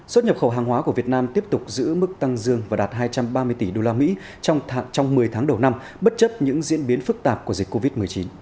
xuất nhập khẩu hàng hóa của việt nam tiếp tục giữ mức tăng dương và đạt hai trăm ba mươi tỷ usd trong một mươi tháng đầu năm bất chấp những diễn biến phức tạp của dịch covid một mươi chín